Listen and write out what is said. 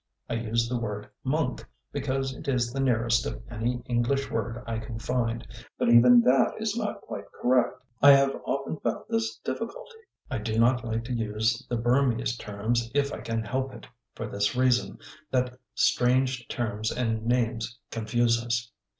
I use the word monk, because it is the nearest of any English word I can find, but even that is not quite correct. I have often found this difficulty. I do not like to use the Burmese terms if I can help it, for this reason, that strange terms and names confuse us.